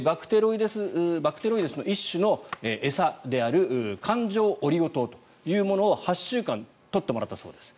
バクテロイデスの一種の餌である環状オリゴ糖というものを８週間取ってもらったそうです。